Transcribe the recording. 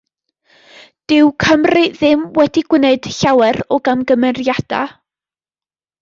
Dyw Cymru ddim wedi gwneud llawer o gamgymeriadau.